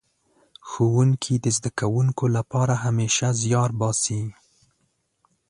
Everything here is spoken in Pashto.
ښوونکي د زده کوونکو لپاره همېشه زيار باسي.